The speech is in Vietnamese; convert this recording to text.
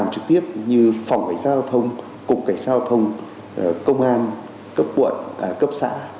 trực tiếp như phòng cảnh sao thông cục cảnh sao thông công an cấp quận cấp xã